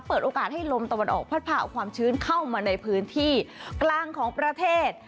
เปิดโอกาสให้ลมตะวันออกพัดผ่าเอาความชื้นเข้ามาในพื้นที่กลางของประเทศ